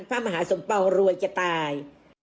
พระมหาสมเป่ารวยจะตาย